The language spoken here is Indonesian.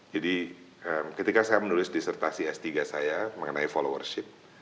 jadi ketika saya menulis disertasi s tiga saya mengenai followership